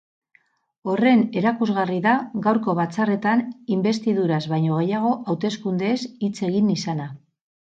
Horren erakusgarri da gaurko batzarretan inbestiduraz baino gehiago hauteskundeez hitz egin izana.